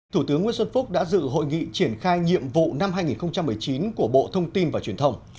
thủ tướng nguyễn xuân phúc đã dự hội nghị triển khai nhiệm vụ năm hai nghìn một mươi chín của bộ thông tin và truyền thông